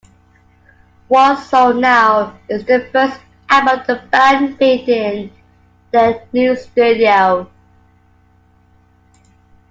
"One Soul Now" is the first album the band made in their new studio.